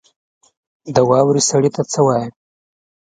د واورې سړي ته څه وايي؟